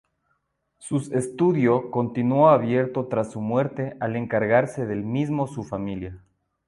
Sus estudio continúo abierto tras su muerte al encargarse del mismo su familia.